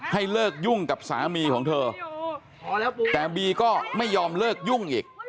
ให้เลิกยุ่งกับสามีของเธอแต่บีก็ไม่ยอมเลิกยุ่งอีก